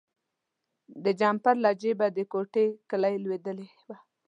د جمپر له جیبه د کوټې کیلي لویدلې وه.